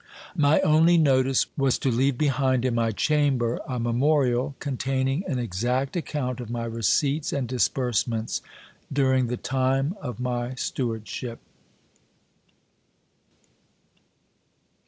My only notice was to leave behind in my chamber a memorial, containing an exact account of my receipts and disbursements during the time of my stewardship.